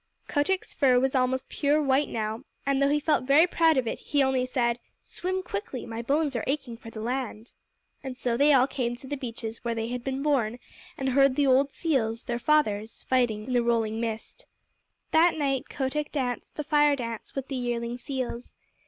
Kotick's fur was almost pure white now, and though he felt very proud of it, he only said, "Swim quickly! My bones are aching for the land." And so they all came to the beaches where they had been born, and heard the old seals, their fathers, fighting in the rolling mist. That night Kotick danced the Fire dance with the yearling seals.